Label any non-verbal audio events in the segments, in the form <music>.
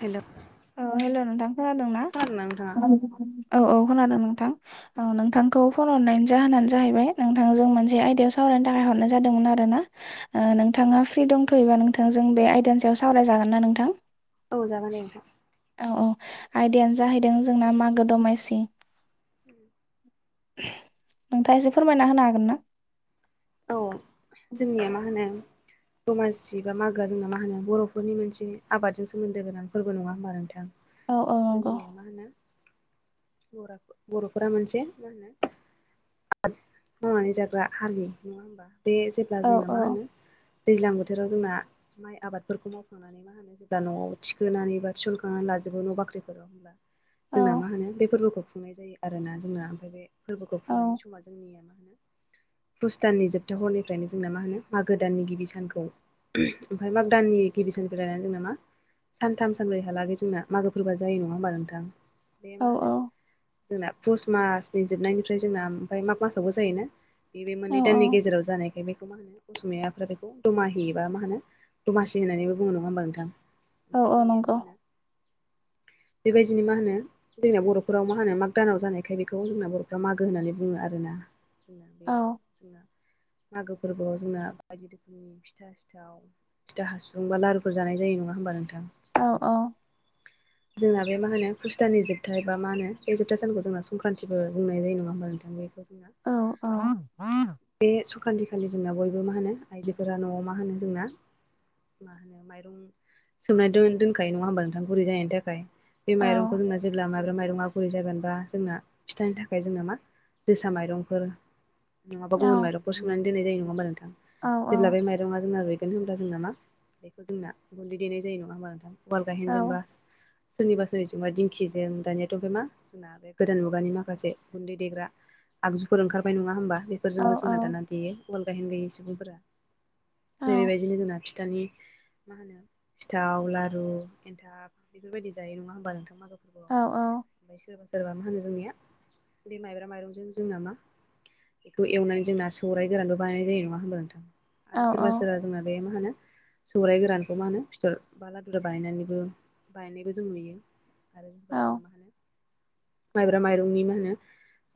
हेल' औ हेल' नोंथां खोनादों ना खोनादोंना नोंथाङा औ औ खोनादों नोंथां। औ नोंथांखौ फन हरनायनि जाहोनानो जाहैबाय नोंथांजों मोनसे आयदायाव सावरायनो थाखाय हरनाय जादोंमोन आरोना। ओ नोंथाङा फ्रि दंथ'योबा नोंथांजों बे आयदानि सायाव सावरायजागोन ना नोंथां? औ जागोन दे नोंथां। औ-औ आयदायानो जाहैदों जोंना मागो दमासि। <inaudible> नोंथाङा एसे फोरमायना होनो हागोन ना? औ जोंनिया मा होनो? दमासि बा मागोआ जोंना मा होनो बर'फोरनि मोनसे आबादजों सोमोन्दो गोनां फोरबो नङा होमबा नोंथां? औ औ नंगौ जोंनिया मा होनो बर बर'फोरा मोनसे मा होनो? आबाद मावनानै जाग्रा हालि नङा होमबा बे जेब्ला औ जोंना मा होनो? दैज्लां बोथोराव जोंना माइ आबादफोरखौ मावखांनानै मा होनो जेब्ला न'आव थिखोनानै बा थिसनखांनानै लाजोबो न' बाख्रिफोराव होमबा औ जोंना मा होनो बे फोरबोखौ खुंनाय जायो आरोना जोंना ओमफ्राय बे फोरबोखौ औ खुंनायनि सम <unintelligible> जोंनिया मा होनो पुष दाननि जोबथा हरनिफ्रायनो जोंना मा होनो मागो दाननि गिबि सानखौ? ओमफ्राय मागो दाननि गिबिसिननिफ्राय जोंना मा? सानथाम सानब्रैहालागै जोंना मागोफोरबोआ जायो नङा होमबा नोंथां? बे औ मा होनो जोंना पुष मासनि जोबनायनिफ्राय जोंना ओमफ्राय माग मासावबो जायोना। बे औ मोननै दाननि गेजेराव जानायखाय बेखौ मा होनो? असमियाफ्रा बेखौ दमाहिबा मा होनो दमासि होननानैबो बुङो नङा होमबा नोंथां? औ ओमफ्राय औ जोंनिया नंगौ मा होनो? <inaudible> बेबायदिनो मा होनो? जोंना बर'फोराव मा होनो मा दानाव जानायखाय बेखौ जोंना बर'फ्रा मागो होननानै बुङो आरोना। जोंना औ बेयाव जोंना मागो फोरबोआव जोंना बायदि रोखोमनि फिथा सिथाव फिथा हासुं बा लारुफोर जानाय जायो नङा होमबा नोंथां? औ औ जोंना बे मा होनो पुष दाननि जोबथा बा मा होनो बे जोबथा सानखौ जोंना संक्रान्थिबो बुंनाय जायो नङा होमबा नोंथां? बेखौ जोंना औ बे संख्रान्थि खालि जोंना बयबो मा होनो आइजोफोरा न'आव मा होनो जोंना मा होनो। माइरं सोमनानै दोनखायो नङा होमबा नोंथां गुरै जानायनि थाखाय बे माइरंखौ औ जोंना जेब्ला माइब्रा माइरंआ गुरै जागोनबा जोंना फिथानि थाखाय जोंना मा जोसा माइरंफोर नङाबा गुबुनाइरंफोर सोमनानै दोननाय जायो नङा होमबा नोंथां औ जेब्ला बे माइरं रंआ जोंना रुयगोन होनब्ला जोंना मा बेखौ जोंना गुन्दै देनाय जायो नङा होमबा नोंथां। उवाल गायहेन औ जेनबा सोरनिबा सोरनिजोंबा दिंखिजों दानियाथ' बे मा दा बे गोदान मुगानि माखासे गुन्दै देग्रा आगजुफोर ओंखारबाय नङा होमबा। औ फोरफोरजोंबो जोंना औ दाना देयो उवाल गायहेन गैयै सुबुंफोरा। बेबायदिनो जोंना फिथानि मा होनो सिथाव लारु एन्थाब बेफोर बायदि जायो नङा होमबा नोंथां मागो फोरबोआव औ औ। ओमफ्राय सोरबा सोरबा मा होनो जोंनिया बे माइब्रा माइरंजों जोंना मा बेखौ एवनानै जोंना सौराइ गोरानबो बानायनाय जायो नङा होनबा नोंथां आरो सोरबा सोरबा जोंना बे मा होनो सौरायाइ गोरानखौ मा होनो फिथर बा लादुरा बानायनानैबो बायनायबो जों नुयो। आरो सोरबा सोरबा मा होनो माइब्रा माइरंनि मा होनो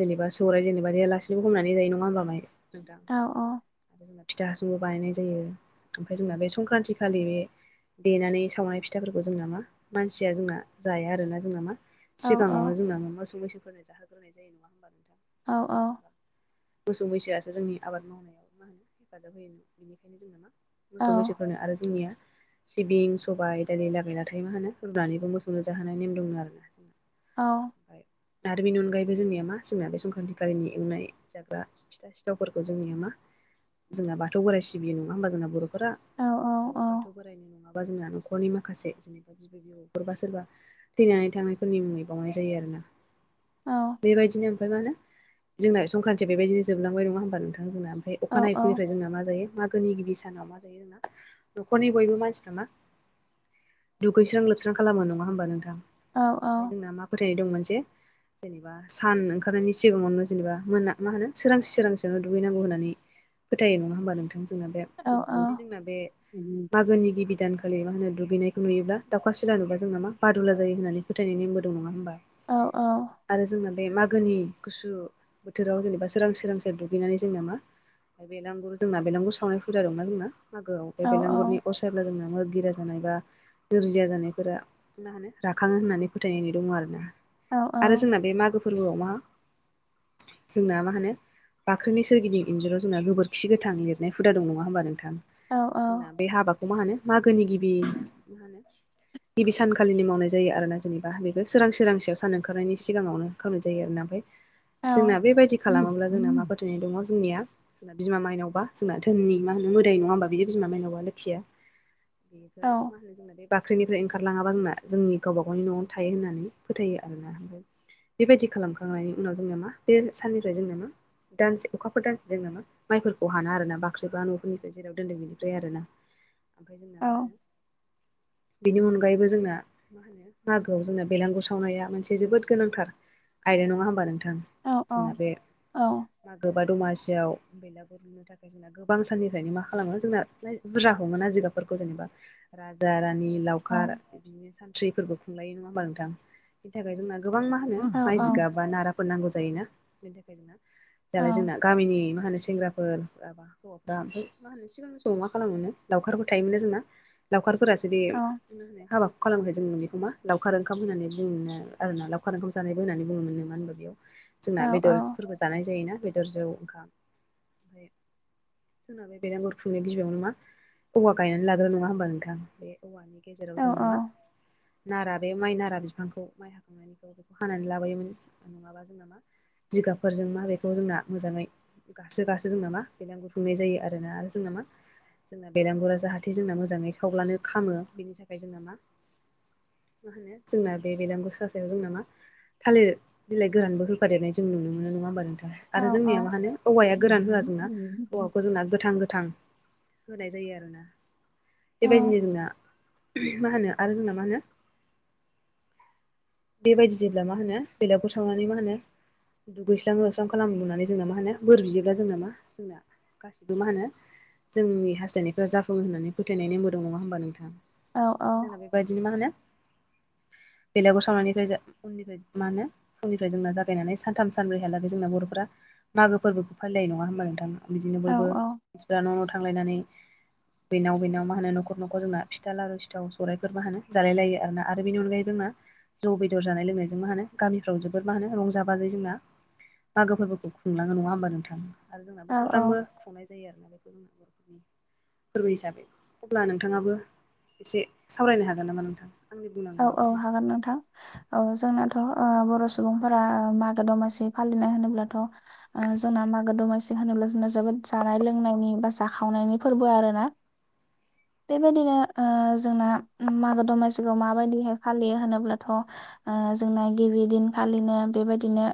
जेनेबा सौराइ जेनेबा देयालासिनोबो हमनानै जायो नङा होमबा माइ नोंथां। औ औ। ओमफ्राय जोंना फिथा हासुबो बानायनाय जायो ओमफ्राय जोंना बे संक्रान्तिखालि बे देनानै सावनाय फिथाफोरखौ जोंना मा मानसिया जोंना जाया आरोना जोंना मा सिगाङावनो जोंना मोसौ-मैसोफोरनो जाहोग्रानाय जायो नङा होमबा नोंथां औ औ। मोसौ-मैसोआसो जोंनि आबाद मावनायाव मा होनो हेफाजाब होयो नों बेनिखायनो जोंना मा मोसौ-मैसोफोरनो आरो जोंनिया सिबिं, सबाइ, दालि लागाय लाथायो मा होनो रुनानैबो मोसौनो जाहोनाय नेम दंनो आरोना जोंना औ। दारिमिननि अनगायैबो जोंनिया मा जोंना बे संक्रान्तिखालिनि एवनाय जाग्रा फिथा-सिथावफोरखौ जोंनिया मा जोंना बाथौ बोराइ सिबियो नङा होमबा जोंना बर' फोरा ओमफ्राय बाथौ बोराइनो नङाबा जोंना न'खरनि माखासे जेन'बा <unintelligible> सोरबा थैनानै थांनायफोरनि मुङै बावनाय जायो आरो ना। बेबायदिनो ओमफ्राय मा होनो जोंना संक्रान्तिया बेबादि जोबलांबाय नङा होमबा नोंथां जोंना ओमफ्राय अखानायैफोरनि जोंना मा जायो मागोनि गिबि सानाव मा जायो जोंना न'खरनि बयबो मानसिफ्रा मा दुगैस्रां-लोबस्रां खालामो नङा होमबा नोंथां। ओमफ्राय जोंना मा फोथायनाय दंमोन जे जेनेबा सान ओंखारनायनि सिगाङावनो जेनेबा मोना मा होनो सोरांसि सोरांसियावनो दुगैनांगौ होननानै फोथायो नङा होमबा नोंथां जोंना बे जुदि जोंना बे मागोनि गिबि दानखौ खालि मा होनो दुगैनायखौ नुयोब्ला दाखा सिला नुबा जोंना मा बादुला जायो होननानै फोथायनाय नेमबो दं नङा होमबा। आरो जोंना बे मागोनि गुसु बोथोराव जेनेबा सोरांसि सोरांसियाव दुगैनानै जोंना मा बेलांगुर जोंना बेलांगुर सावनाय फुजा दंना जोंना मागोआव बे बेलांगुरनि अर सायब्ला जोंना मोदगिरा जानाय बा नोरजिया जानायफोरा मा होनो राखाङो होननानै फोथायनाय दङ' आरो ना। आरो जोंना बे मागो फोरबोआव मा जोंना मा होनो बाख्रिनि सोरगिदिं इन्जुराव जोंना गोबोरखि गोथां लिरनाय हुदा दं नङा होनोमबा नोंथां। औ औ। जोंना बे हाबाखौ मा होनो मागोनि गिबि मा होनो <inaudible> गिबि सानखालिनि मावनाय जायो आरोना जेनेबा बेखौ सोरांसि सोरांसियाव सान ओंखारनायनि सिगाङावनो खालामनाय जायो आरोना ओमफ्राय जोंना बेबायदि खालामोब्ला जोंना मा फोथायनाय दङ' जोंनिया जोंना बिमा मायनावबा जोंना धोननि मा होनोाय नङा होनोमबा बेयो बिमा मायनावा लोखिया बेखौ मा होनो जोंना बे? बाख्रिनिफ्राय ओंखारलाङाबा जोंना जोंनि गावबा गावनि न'आवनो थायो होननानै फोथायो आरोना ओमफाय बेबायदि खालामखांनायनि उनाव जोंना मा बे साननिफ्राय जोंना मा दानसे अखाफोर गारसे जोंना मा माइफोरखौ हाना आरोना बाख्रिबा न'फोरनिफ्राय जेराव दोनदों बेनिफ्राय आरो ना ओमफ्राय जोंना मा होनो बेनि अनगायैबो जोंना होनो मागोआव जोंना बेलांगुर सावनाया मोनसे जोबोद गोनांथार आयदा नङा होमबा नोंथां? जोंना बे मागो बा दमासियाव बेलागुर नो थाखाय जोंना गोबां साननिफ्रायनो मा खालामो जोंना बुरजाखौ हमोना जिगाबफोरखौ जेनेबा राजा रानि लावखार बिनि सानथ्रिफोरबो खुंलायो नङा होमबा नोंथां? बेनि थाखाय जोंना गोबां मा होनो माइ जिगा बा नाराफोर नांगौ जायोना बेनि थाखाय जोंना दालाय जोंना गामिनि मा होनो सेंग्राफोर बा हौवाफ्रा ओमफ्राय मा होनो सिगां समाव मा खालामो मोननो लाउखारबो थायोमोन ना जोंना लावखारफोरासो बे मा होनो हाबाखौ खालामोन जों बेखौ मा लावखार ओंखाम होननानै बुङोमोन आरोना लावखार ओंखाम जानायबो होननानै बुङोमोन मानो होनबा बेयाव जोंना बेदर फोरबो जानाय जायोना बेदर जौ ओंखाम ओमफ्राय <inaudible> जोंना बे बेलागुर खुंनाय बिजौयावनो मा औवा गायनानै लाग्रो नङा होमबा नोंथां बे औवानि गेजेराव जोंना मा नारा बे माइ नारा बिफांखौ माइ हाखांनायनिखौ बेखौ हानानै लाबोयोमोन नङाबा जोंना मा जिगाबफोरजों मा बेखौ जोंना मोजाङै गासो गासो जों नामा बेलागुरखुंनाय जायो आरो ना आरो जोंना मा जोंना बेरगुरा जाहाथे जोंना मोजाङै सावब्लानो खामो बेनि थाखाय जोंना मा मा होनो जोंना बेलागुर सायाव जोंना मा थालिर बिलाइ गोहानबो हो फादेरनाय जों नुनो मोनो नङा होमबा नोंथा आरो जोंनिया मा होनो औवाया गोरान होआ जोंना औवाखौ जोंना गोथां गोथां होनाय जायो आरोना। बेबायदिनो जोंना मा होनो आरो जोंना मा होनो बेबायदि जेब्ला मा होनो बेलाग सावनानै मा होनो दुगैस्रां लोस्रां खालामनानै जोंना मा होनो बोर बियोब्ला जोंना मा जोंना गासिबो मा होनो जोंनि हास्थायनायफ्रा जाफुङो होननानै फोथायनाय नेमबो दं नङा होमबा नोंथां? जोंना बेबायदिनो मा होनो बेलागुर सावनायनिफ्राय उननिफ्राय मा होनो फुंनिफ्राय जोंना जा गायनानै सानथाम सानब्रैहालागै जोंना बर'फोरा मागो फोरबोखौ फालिनाय नङा होमबा नोंथां? बिदिनो बयबो मानसिफ्रा न' न' थांलायनानै बेनाव बेनाव मा होनो न'खर न'खर जोंना फिथा लारु सिथाव सौरायफोर मा होनो जालाय लायो आरोना आरो बेनि अनगायै जोंना जौ बेदर जानाय लोंनायजों मा होनो गामिफ्राव जोबोर मा होनो रंजा बागै जोंना मागो फोरबोखौ खुंलाङो नङा होमबा नोंथाङो आरो जोंना बोसोरफ्रामबो सावनाय जायो आरो ना बेखौ <unintelligible> फोरबो हिसाबै अब्ला नोंथाङाबो एसे सावरायनो हागोन नामा नोंथां? आंनि औ बुंनांगौआ औ बेसेनोसै हागोन नोंथां। औ जोंनाथ' अ बर' सुबुंफोरा मागो दमासि फालिनाय होनोब्लाथ' अ जोंना मागो दमासि होनोब्ला जोंना जोबोद जानाय लोंनायनि बा जाखावनायनि फोरबो आरो ना बेबायदिनो ओ जोंना मागो दमासि खौ माबादियै हाय फालियो होनोब्लाथ' ओ जोंना गिबि दिनखालिनो बेबायदिनो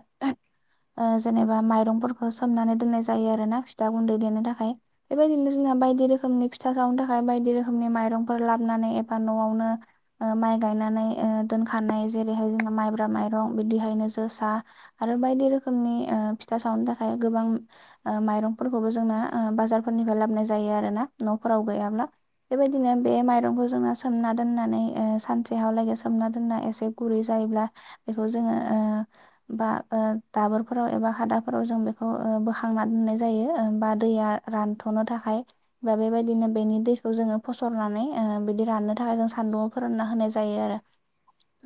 ओ जेनेबा माइरंफोरखौ सोमनानै दोननाय जायो आरो ना फिथा गुन्दै देनो थाखाय बेबायदिनो जोंना बायदि रोखोमनि फिथा सावनो थाखाय बायदि रोखोमनि माइरंफोर लाबोनानै एबा न'आवनो ओ माइ गायनानै ओ दोनखानाय जेरैहाय जोंहा माइब्रा माइरं बिदिहायनो जोसा आरो बायदि रोखोमनि ओ फिथा सावनो थाखाय गोबां माइरंफोरखौबो जोंना बाजारफोरनिफ्राय लाबोनाय जायो आरो ना न'फोराव गैयाब्ला बेबायदिनो बे माइरंखौ जोङो सोमना दोननानै सानसे हालागै सोमना दोनना एसे गुरै जायोब्ला बेखौ जोङो बा दाबोरफोराव एबा खादाफोराव जों बेखौ बोखांना दोननाय जायो बा दैया रानथ'नो थाखाय बा बेबायदिनो बेनि दैखौ जोङो फसरनानै बिदि राननो थाखाय जों सान्दुंआव फोरानना होनाय जायो आरो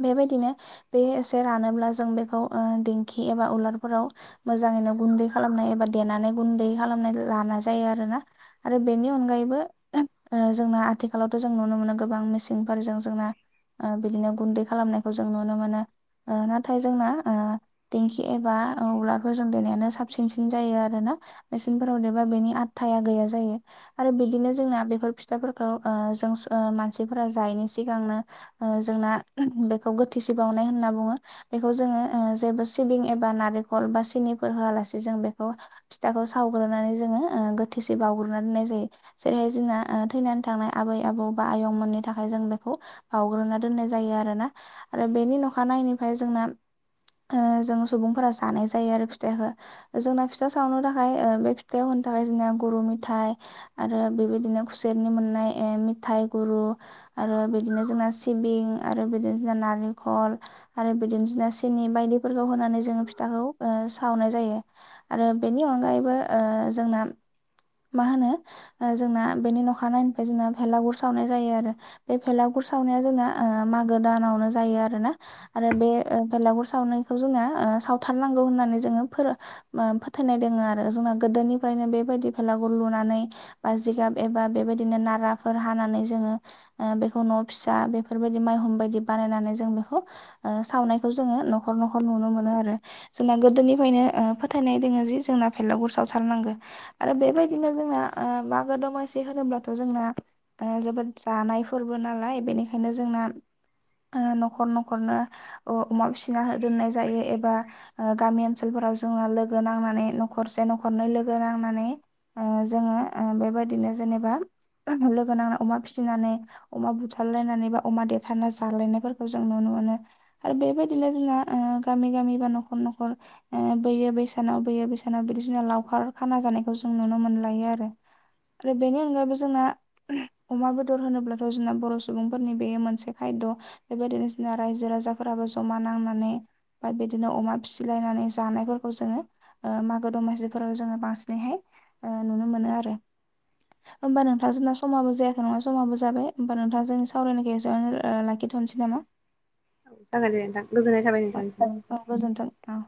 बेबायदिनो बे एसे रानोब्ला जों बेखौ देंखि एबा उलारफोराव मोजाङैनो गुन्दै खालामनाय एबा देनानै गुन्दै खालामनाय लाना जायो आरो ना आरो बेनि अनगायैबो जोंना आथिखालावथ' जों नुनो मोनो गोबां मेसिन जों जोंना बिदिनो गुन्दै खालामनायखौ जों नुनो मोनो नाथाय जोंना ओ देंखि एबा <unintelligible> देनायानो साबसिनसिन जायो आरोना मेचिनफोराव देरबा बेनि आदथाया गैया जायो आरो बिदिनो जोंना बेफोर फिथाफोरखौ जों मानसिफोरा जायैनि सिगांनो जोंना बेखौ गोथिसे बावनाय होनना बुङो बेखौ जोङो जेबो सिबिं एबा नारेंखल बा सिनिफोर होआलासे जों बेखौ फिथाखौ सावग्रोनानै जोङो गोथोसे बावग्रोनना दोननाय जायो जेरैहाय जोंना थैनानै थांनाय आबै आबौ बा आयं मोननि थाखाय जों बेखौ बावग्रोना दोननाय जायो आरोना आरो बेनि अखानायैनायनिफ्राय जोंना ओ जों सुबुंफोरा जानाय जायो आरो फिथाइखो जोंना फिथा सावनो थाखाय बे फिथायाव होनो थाखाय जोंना गुरु मेथाय आरो बेबायदिनो खुसेरनि मोननाय मिथाय गुरु आरो बिदिनो जोंना सिबिं आरो बिदिनो जोंना नारिखल आरो बिदिनो जोंना सिनि बायदिफोरखौ होनानै जोङो फिथाखौ सावनाय जायो आरो बेनि अनगायैबो जोंना मा होनो जोंना बेनि अखा नायैनिफ्राय जोंना भेलागुर सावनाय जायो आरो बे फेलागुर सावनाया जोंना मागो दानावनो जायो आरो ना आरो बे बेलागुर सावनायखौ जोङो सावथारनांगौ होननानै जोङो फोर फोथायनाय दोङो आरो जोंहा गोदोनिफ्रायनो बेबायदि फेलाखौ लुनानै बा जिगाब एबा बेबायदिनो नाराफोर हानानै जोङो बेखौ न' फिसा बेफोरबायदि माइहुं बायदि बानायनानै जों बेखौ ओ सावनायखौ जोङो न'खर न'खर नुनो मोनो आरो जोंना गोदोनिफ्रायनो फोथायनाय दोङो जि जोंना फेलागुर सावथारनांगो आरो बेबायदिनो जोंना मागो दमासि होनोब्लाथ' जोंना जोबोद जानाय फोरबो नालाय बेनिखायनो जोंना न'खर न'खरनो अमा फिसिना दोननाय जायो एबा ओ गामि ओनसोलफोराव जोंना लोगो नांनानै न'खरसे न'खरनै लोगो नांनानै ओ जोङो बेबायदिनो जेनेबा लोगो नांना अमा फिसिनानै अमा बुथारलायनानै बा अमा देरथारना जालायनायफोरखौ जों नुनो मोनो आरो बेबायदिनो जोंना गामि गामि बा न'खर न'खर बोयो बैसानाव बोयो बैसानाव बिदिसिनो लावखार खाना जानायखौ जों नुनो मोनलायो आरो आरो बेनि अनगायैबो जोंना अमा बेदर होनोब्ला रजुना बर' सुबुंफोरनि बेयो मोनसे खायद' बेबायदिसिना रायजो राजाफोराबो जमा नांनानै बा बिदिनो अमा फिसिलायनानै जानायफोरखौ जोङो मागो दमासिफोराव जोङो बांसिनैहाय नुनो मोनो आरो होमबा नोंथां जोंना समाबो जायाखै नङा समाबो जाबाय होमबा नोंथाङा जोंनि सावरायनाय गेजसेनो लाखिथ'नोसै नामा औ जागोन दे नोंथां गोजोननाय थाबाय नोंथांनिसिम औ गोजोन्थों औ।